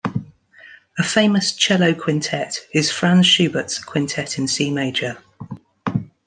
A famous "cello quintet" is Franz Schubert's Quintet in C major.